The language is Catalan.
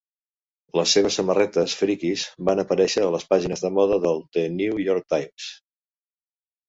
Les seves samarretes "frikis" van aparèixer a les pàgines de moda del "The New York Times".